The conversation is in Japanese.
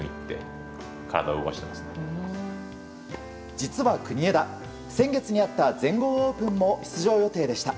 実は国枝先月にあった全豪オープンも出場予定でした。